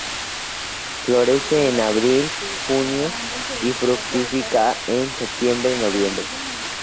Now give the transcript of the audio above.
Florece en Abril-junio, y fructifica en Septiembre-noviembre.